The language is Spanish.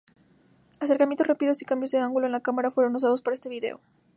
Acercamientos rápidos y cambios de ángulo en la cámara fueron usados para este video.